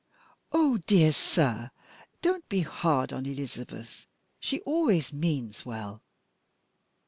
"Oh, dear sir, don't be hard on Elizabeth! She always means well."